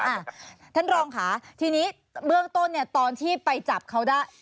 อ่ะท่านรองค่ะทีนี้เบื้องต้นเนี่ยตอนที่ไปจับเขาได้